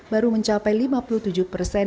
baru mencapai lima puluh tujuh persen